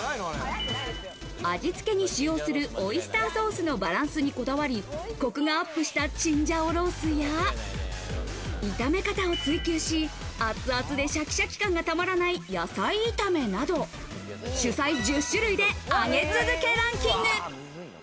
味つけに使用するオイスターソースのバランスにこだわり、コクがアップしたチンジャオロースや、炒め方を追求し、熱々でシャキシャキ感がたまらない野菜炒めなど、主菜１０種類で上げ続けランキング。